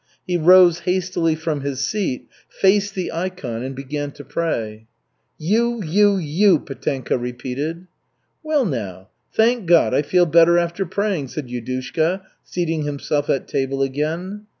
He rose hastily from his seat, faced the ikon and began to pray. "You, you, you!" Petenka repeated. "Well, now! Thank God, I feel better after praying," said Yudushka, seating himself at table again.